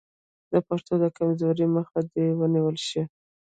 د پښتو د کمزورۍ مخه دې ونیول شي.